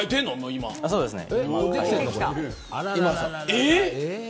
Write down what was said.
そうですね。